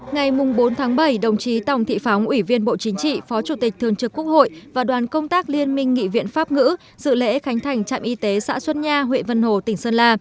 ngày bốn bảy đồng chí tòng thị phóng ủy viên bộ chính trị phó chủ tịch thường trực quốc hội và đoàn công tác liên minh nghị viện pháp ngữ dự lễ khánh thành trạm y tế xã xuân nha huyện vân hồ tỉnh sơn la